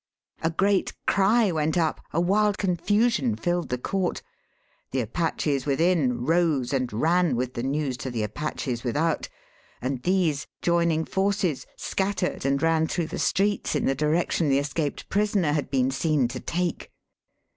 A great cry went up, a wild confusion filled the court. The Apaches within rose and ran with the news to the Apaches without; and these, joining forces, scattered and ran through the streets in the direction the escaped prisoner had been seen to take.